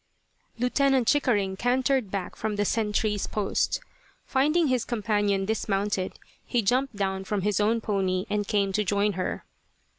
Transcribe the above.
Lieutenant Chickering cantered back from the sentry's post. Finding his companion dismounted, he jumped down from his own pony and came to join her.